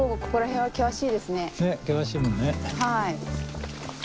はい。